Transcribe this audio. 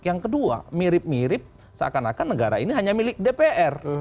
yang kedua mirip mirip seakan akan negara ini hanya milik dpr